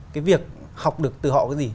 cái việc học được từ họ cái gì